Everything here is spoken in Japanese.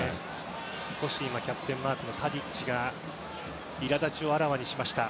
少しキャプテンマークのタディッチがいらだちをあらわにしました。